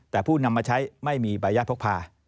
แต่ผู้นำมาใช้ไม่มีใบยาทพกพา